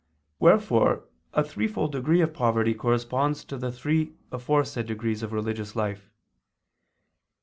Wherefore a threefold degree of poverty corresponds to the three aforesaid degrees of religious life.